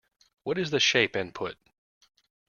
What is the shape input?